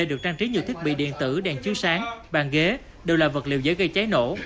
được trang trí nhiều thiết bị điện tử đèn chiếu sáng bàn ghế đều là vật liệu dễ gây cháy nổ